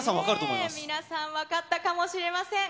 皆さん分かったかもしれません。